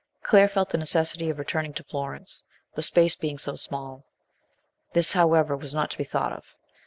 Claire felt the necessity of returning to Florence, the space being so small. This, however, was not to be thousht of.